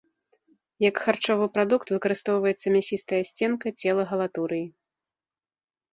Як харчовы прадукт выкарыстоўваецца мясістая сценка цела галатурыі.